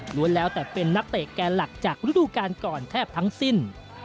แล้วแต่เป็นนักเตะแกนหลักจากฤดูการก่อนแทบทั้งสิ้น